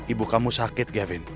ibu kamu sakit gapin